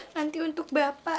nanti untuk bapak